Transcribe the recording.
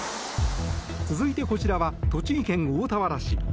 続いて、こちらは栃木県大田原市。